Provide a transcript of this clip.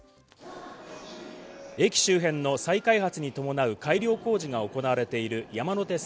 駅周辺の再開発に伴う改良工事が行われている山手線